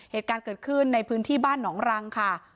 เหตุการณ์เกิดขึ้นในพื้นที่บ้านหนองรังค่ะ